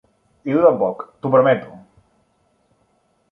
"I tu tampoc, t'ho prometo!"